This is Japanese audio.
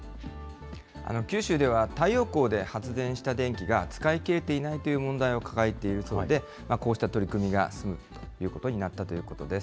九州では、太陽光で発電した電気が、使い切れていないという問題を抱えているそうで、こうした取り組みが進むということになったということです。